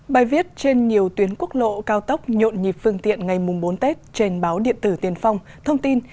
bài viết trên nhiều tuyến quốc lộ cao tốc nhộn nhịp phương tiện ngày bốn tết trên báo điện tử tiền phong thông tin